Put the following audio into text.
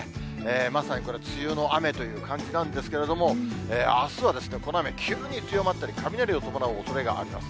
まさにこれ、梅雨の雨という感じなんですけれども、あすはこの雨、急に強まったり、雷を伴うおそれがあります。